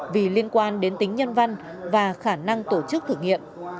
vì liên quan đến tính nhân văn và khả năng tổ chức thử nghiệm